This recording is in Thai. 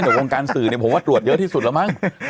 หลักวงการสื่อผมว่าตรวจเยอะที่สุดแล้วมั้ง